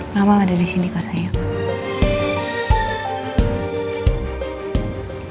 mama gak ada di sini kak sayang